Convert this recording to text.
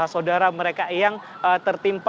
saudara mereka yang tertimpa